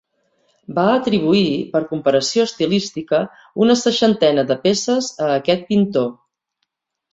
Va atribuir, per comparació estilística, una seixantena de peces a aquest pintor.